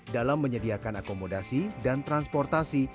dalam menyediakan akomodasi dan transportasi